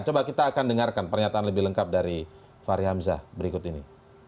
coba kita akan dengarkan pernyataan lebih lengkap dari fahri hamzah berikut ini